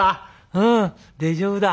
「うん大丈夫だ」。